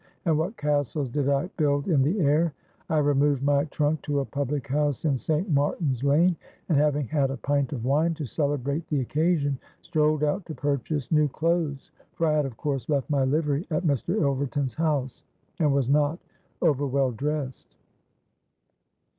—and what castles did I build in the air! I removed my trunk to a public house in St. Martin's Lane; and having had a pint of wine to celebrate the occasion, strolled out to purchase new clothes—for I had of course left my livery at Mr. Ilverton's house, and was not overwell dressed.